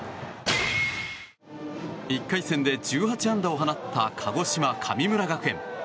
１回戦で１８安打を放った鹿児島・神村学園。